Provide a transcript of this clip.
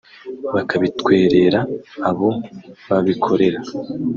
bakabitwerera abo babikorera